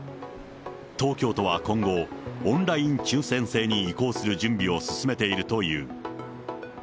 東京都は今後、オンライン抽せん制に移行する準備を進めているという。